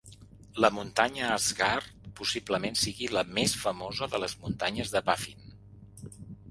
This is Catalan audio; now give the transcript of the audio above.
La muntanya Asgard possiblement sigui la més famosa de les muntanyes de Baffin.